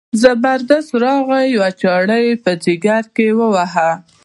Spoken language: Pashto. زبردست راغی یوه چاړه یې په ځګر کې وواهه.